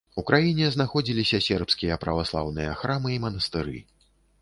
У краіне знаходзіліся сербскія праваслаўныя храмы і манастыры.